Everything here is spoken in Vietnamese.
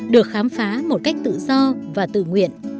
được khám phá một cách tự do và tự nguyện